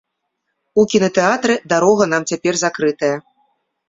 У кінатэатры дарога нам цяпер закрытая.